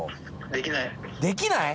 できない？